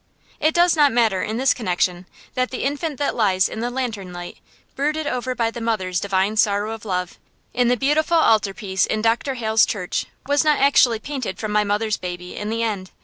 It does not matter in this connection that the Infant that lies in the lantern light, brooded over by the Mother's divine sorrow of love, in the beautiful altar piece in Dr. Hale's church, was not actually painted from my mother's baby, in the end.